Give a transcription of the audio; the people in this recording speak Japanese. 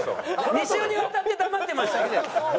２週にわたって黙ってましたけど。